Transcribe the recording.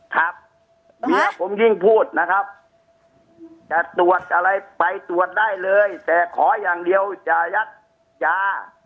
ครับเมียผมยิ่งพูดนะครับจะตรวจอะไรไปตรวจได้เลยแต่ขออย่างเดียวอย่ายัดยา